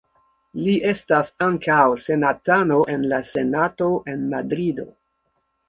Li estas ankaŭ senatano en la Senato en Madrido.